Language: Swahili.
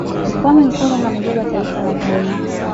kwame nkrumah ni baba wa taifa la ghana